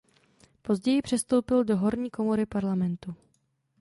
Později přestoupil do horní komory parlamentu.